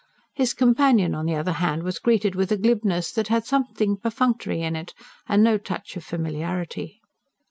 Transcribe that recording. His companion on the other hand was greeted with a glibness that had something perfunctory in it, and no touch of familiarity.